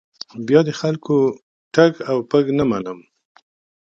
بیا د خلکو ټز او پز نه منم.